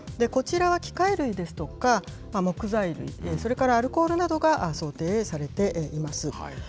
こちらは機械類ですとか、木材、それからアルコールなどが想定されています。